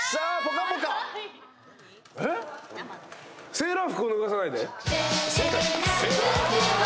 『セーラー服を脱がさないで』正解。